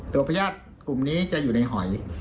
พญาติกลุ่มนี้จะอยู่ในหอย